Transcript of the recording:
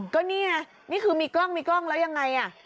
ก็นี่ไงนี่คือมีกล้องมีกล้องแล้วยังไงอ่ะ